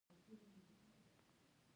د وطن او ازادۍ ساتنه تر هر څه مهمه ده.